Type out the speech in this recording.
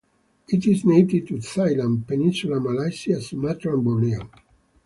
It is native to Thailand, Peninsular Malaysia, Sumatra and Borneo.